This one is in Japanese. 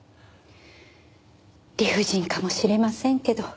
理不尽かもしれませんけど。